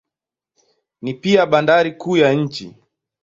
Ni pia bandari kuu ya nchi.